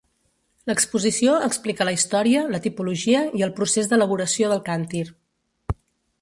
L'exposició explica la història, la tipologia i el procés d'elaboració del càntir.